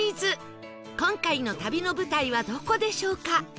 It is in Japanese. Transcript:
今回の旅の舞台はどこでしょうか？